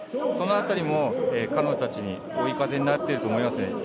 その辺りも彼女たちに追い風になっていると思いますね。